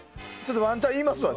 ワンチャン言いますわ。